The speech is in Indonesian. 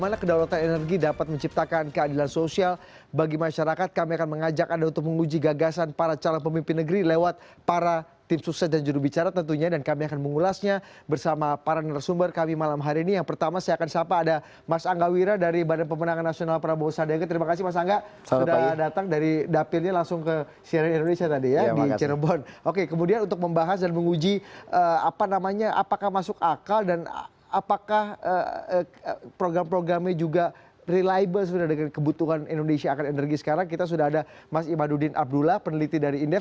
oke kemudian untuk membahas dan menguji apakah masuk akal dan apakah program programnya juga reliable sebenarnya dengan kebutuhan indonesia akan energi sekarang kita sudah ada mas imadudin abdullah peneliti dari indef